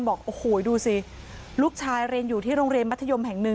บอกโอ้โหดูสิลูกชายเรียนอยู่ที่โรงเรียนมัธยมแห่งหนึ่ง